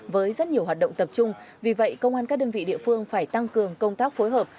với rất nhiều hoạt động tập trung vì vậy công an các đơn vị địa phương phải tăng cường công tác phối hợp